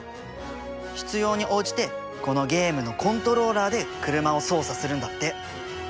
必要に応じてこのゲームのコントローラーで車を操作するんだって。